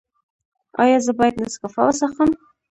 ایا زه باید نسکافه وڅښم؟